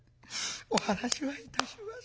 お話はいたします。